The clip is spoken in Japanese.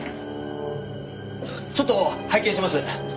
ちょっと拝見します。